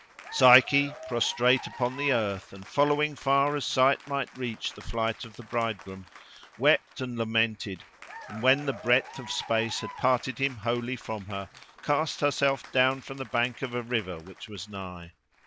Psyche, prostrate upon the earth, and following far as sight might reach the flight of the bridegroom, wept and lamented; and when the breadth of space had parted him wholly from her, cast herself down from the bank of a river which was nigh.